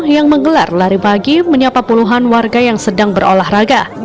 yang menggelar lari pagi menyapa puluhan warga yang sedang berolahraga